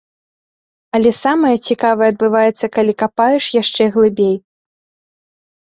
Але самае цікавае адбываецца калі капаеш яшчэ глыбей.